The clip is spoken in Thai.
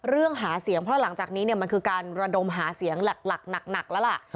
หาเสียงเพราะหลังจากนี้มันคือการระดมหาเสียงหลักแล้วล่ะ